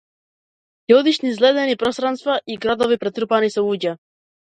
Ќе одиш низ ледени пространства и градови претрупани со луѓе.